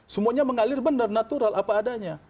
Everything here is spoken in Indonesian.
semuanya mengalir benar natural apa adanya